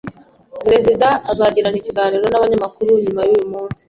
Perezida azagirana ikiganiro n’abanyamakuru nyuma yuyu munsi.